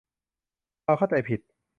ความเข้าใจผิด